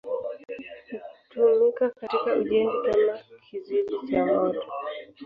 Hutumika katika ujenzi kama kizuizi cha moto.